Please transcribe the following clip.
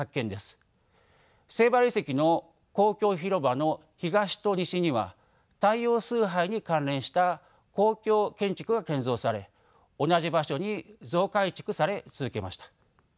セイバル遺跡の公共広場の東と西には太陽崇拝に関連した公共建築が建造され同じ場所に増改築され続けました。